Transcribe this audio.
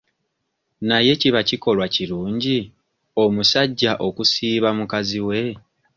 Naye kiba kikolwa kirungi omusajja okusiiba mukazi we?